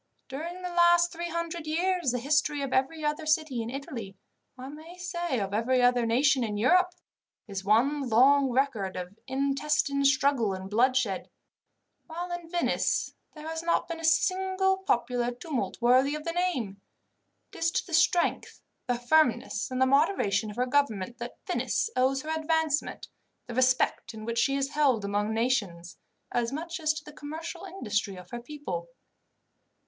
During the last three hundred years, the history of every other city in Italy, I may say of every other nation in Europe, is one long record of intestine struggle and bloodshed, while in Venice there has not been a single popular tumult worthy of the name. It is to the strength, the firmness, and the moderation of her government that Venice owes her advancement, the respect in which she is held among nations, as much as to the commercial industry of her people.